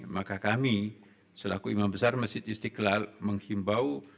maka kami selaku imam besar masjid istiqlal menghimbau